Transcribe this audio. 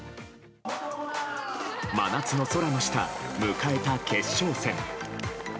真夏の空の下、迎えた決勝戦。